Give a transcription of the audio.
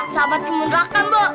sahabat kemundur akan embo